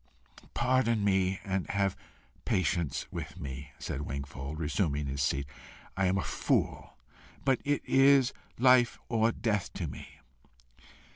"Pardon me, and have patience with me," said Wingfold, resuming his seat. "I am a fool. But it is life or death to me."